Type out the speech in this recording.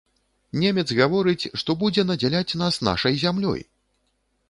Немец гаворыць, што будзе надзяляць нас нашай зямлёй!